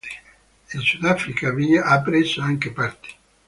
Il Sudafrica vi ha preso anche parte.